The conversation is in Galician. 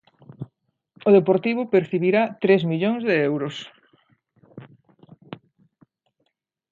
O Deportivo percibirá tres millóns de euros.